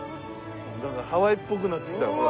なんかハワイっぽくなってきたよほら。